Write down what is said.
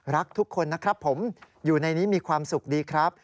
รักทุกคนนะครับผมอยู่ในนี้มีความสุขดีครับ